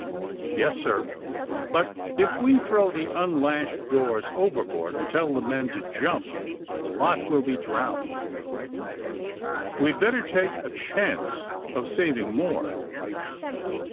*^YeSj sir; bnt if we throw tile nnlashed doors overboard and tell the men to jump, a lot will be drowned. We'd better take a chance of sav ing more.''